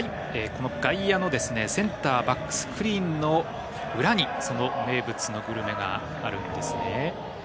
この外野のセンターバックスクリーンの裏に名物グルメがあるんですね。